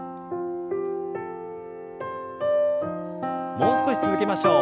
もう少し続けましょう。